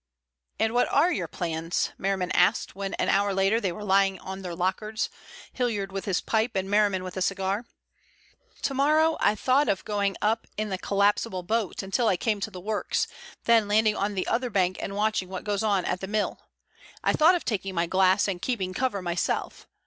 "And what are your plans?" Merriman asked, when an hour later they were lying on their lockers, Hilliard with his pipe and Merriman with a cigar. "Tomorrow I thought of going up in the collapsible boat until I came to the works, then landing on the other bank and watching what goes on at the mill. I thought of taking my glass and keeping cover myself.